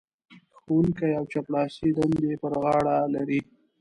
ښوونکی او چپړاسي دندې پر غاړه لري.